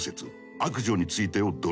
「悪女について」をドラマ化。